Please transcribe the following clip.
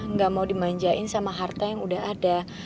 nggak mau dimanjain sama harta yang udah ada